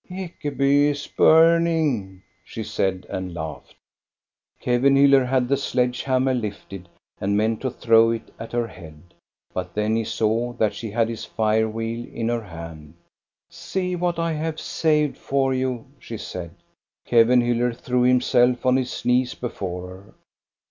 "Ekeby is burning," she said, and laughed. Kevenhiiller had the sledge hammer lifted and meant to throw it at her head, but then he saw that she had his fire wheel in her hand. " See what I have saved for you," she said. Kevenhiiller threw himself on his knees before her.